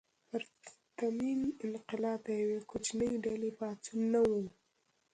پرتمین انقلاب د یوې کوچنۍ ډلې پاڅون نه و.